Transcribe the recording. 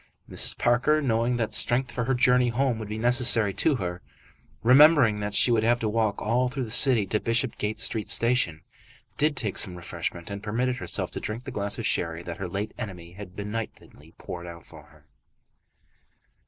Mrs. Parker, knowing that strength for her journey home would be necessary to her, remembering that she would have to walk all through the city to the Bishopsgate Street station, did take some refreshment, and permitted herself to drink the glass of sherry that her late enemy had benignantly poured out for her.